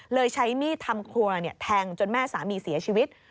ใช้มีดทำครัวแทงจนแม่สามีเสียชีวิต